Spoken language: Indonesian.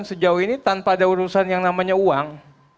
sejauh ini tanpa ada urusan yang namanya uang